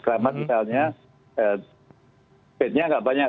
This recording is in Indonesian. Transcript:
sekarang misalnya bednya tidak banyak